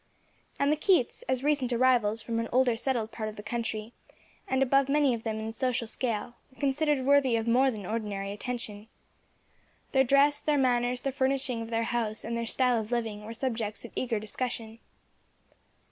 And the Keiths, as recent arrivals from an older settled part of the country, and above many of them in the social scale, were considered worthy of more than ordinary attention. Their dress, their manners, the furnishing of their house and their style of living were subjects of eager discussion.